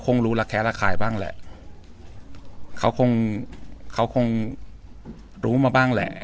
คงรู้ระแค้ระคายบ้างแหละเขาคงเขาคงรู้มาบ้างแหละ